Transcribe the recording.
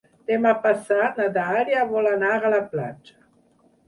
Demà passat na Dàlia vol anar a la platja.